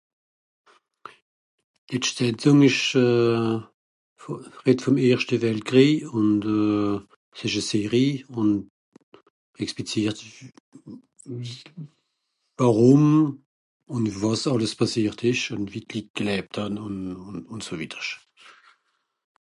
D'letscht Sendùng ìsch vù... redd vùm erschte Weltkrìej ùn... s'ìsch e Série ùn explizìert warùm, ùn wàs àlles pàssìert ìsch ùn wie d'Litt geläbt hàn ùn so wittersch.